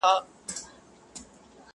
واه زرګر چناره دسروزرو منګوټي راغله.